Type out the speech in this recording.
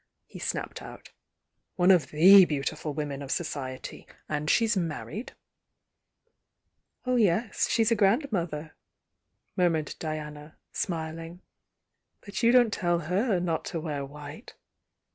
he snapped out. "One of tM beautiful women of societv. And she's married." •m yes, she's a grandmother," murmured Diana, smUine "But you don't tell her aot to wear white.